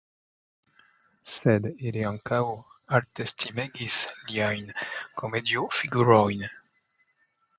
Sed ili ankaŭ altestimegis liajn komediofigurojn.